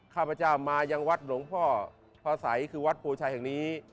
ข้าพเจ้ามายังวัดหลวงพ่อพระสัยคือวัดโพชัยแห่งนี้